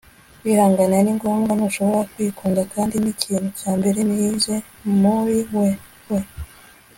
kwihangana ni ngombwa. ntushobora kwikunda, kandi nikintu cya mbere nize muri wwe